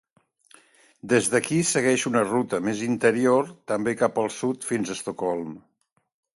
Des d'aquí segueix una ruta més interior també cap al sud fins a Estocolm.